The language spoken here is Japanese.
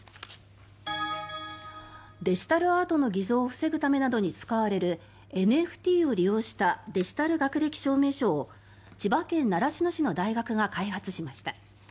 デジタルアートの偽造を防ぐためなどに使われるＮＦＴを利用したデジタル学歴証明書を千葉県習志野市の大学が開発しました。